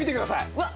うわっ！